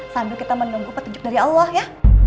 sambil kita menunggu petunjuk dari allah ya